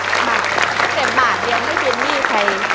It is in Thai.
เต็มบาทยังไม่มีหนี้ใคร